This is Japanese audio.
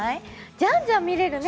じゃんじゃん見れるね。